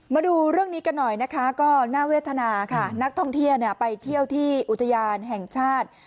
มาดูเรื่องนี้กันหน่อยนะคะก็น่าเวทนาค่ะนักท่องเที่ยวไปเที่ยวที่อุทยานแห่งชาติ